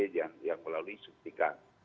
yang melalui suntikan